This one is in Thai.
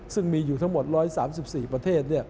ซึ่งมีอยู่ทั้งหมด๑๓๔ประเทศ